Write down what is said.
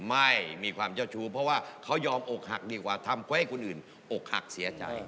ไม่มีความเจ้าชู้เพราะว่าเขายอมอกหักดีกว่าทำเพื่อให้คนอื่นอกหักเสียใจ